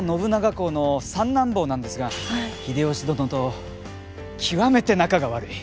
公の三男坊なんですが秀吉殿と極めて仲が悪い！